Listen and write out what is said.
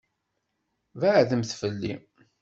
Beɛɛdemt fell-i.